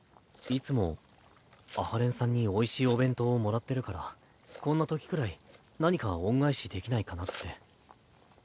いつも阿波連さんにおいしいお弁当をもらってるからこんなときくらい何か恩返しできないかなって。